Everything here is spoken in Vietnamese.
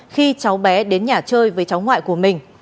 khi cháu bé đến nhà chơi với cháu ngoại của mình